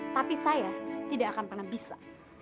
tapi saya tidak akan pernah bisa